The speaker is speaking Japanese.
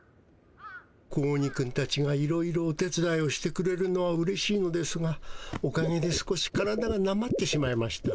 子鬼くんたちがいろいろお手つだいをしてくれるのはうれしいのですがおかげで少し体がなまってしまいました。